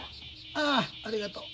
ああありがとう。